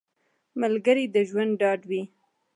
ملګری د ژوند ډاډ وي